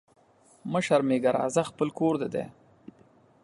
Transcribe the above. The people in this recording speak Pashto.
مه شرمېږه راځه خپل کور دي دی